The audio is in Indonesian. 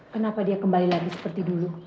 kenapa dia kembali lagi seperti dulu